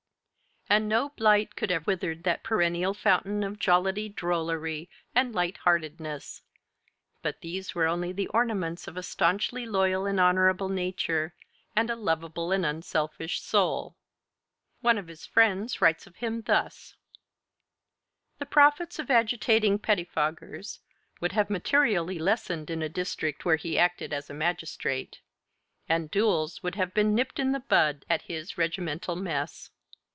And no blight could have withered that perennial fountain of jollity, drollery, and light heartedness. But these were only the ornaments of a stanchly loyal and honorable nature, and a lovable and unselfish soul. One of his friends writes of him thus: "The profits of agitating pettifoggers would have materially lessened in a district where he acted as a magistrate; and duels would have been nipped in the bud at his regimental mess.